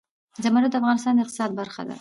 زمرد د افغانستان د اقتصاد برخه ده.